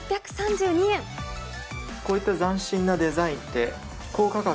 こういった斬新なデザインっ